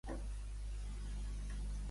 Què el va fer venerar a Déu?